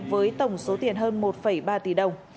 với tổng số tiền hơn một ba tỷ đồng